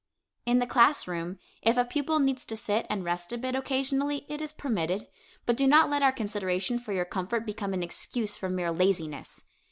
In the classroom, if a pupil needs to sit and rest a bit occasionally it is permitted. But do not let our consideration for your comfort become an excuse for mere laziness!